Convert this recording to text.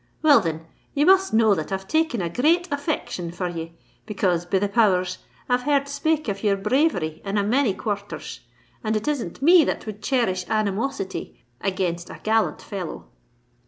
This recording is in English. "Well, thin, ye must know that I've taken a great affection for ye, because, be the power rs! I've heard spake of your bravery in a many quar rters; and it isn't me that would cherish animosity against a gallant fellow."